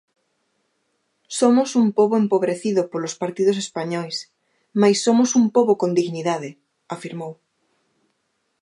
Somos un pobo empobrecido polos partidos españois, mais somos un pobo con dignidade, afirmou.